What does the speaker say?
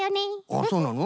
あっそうなの？